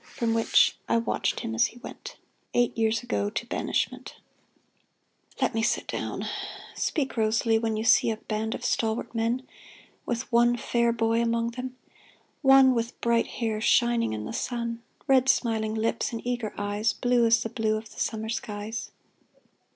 From which I watched him as he went, Eight years ago, to banishment. 356 FROM EXILE Let me sit down. Speak, Rosalie, when You see a band of stalwart men. With one fair boy among them — one With bright hair shining in the sun, Red, smiling lips, and eager eyes. Blue as the blue of summer skies.